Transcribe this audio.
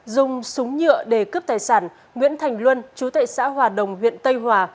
dùng súng nhựa để cướp tài sản nguyễn thành luân chú tại xã hòa đồng huyện tây hòa